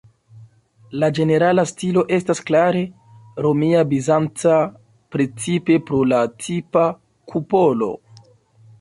La ĝenerala stilo estas klare romia-bizanca, precipe pro la tipa kupolo.